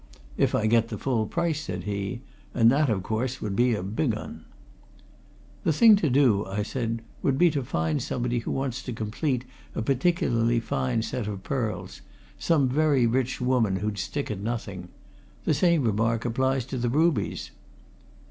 "If I get the full price," said he. "And that, of course, would be a big 'un." "The thing to do," I said, "would be to find somebody who wants to complete a particularly fine set of pearls some very rich woman who'd stick at nothing. The same remark applies to the rubies."